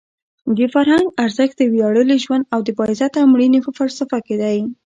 د فرهنګ ارزښت د ویاړلي ژوند او د باعزته مړینې په فلسفه کې دی.